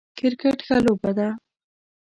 کرکټ ښه لوبه ده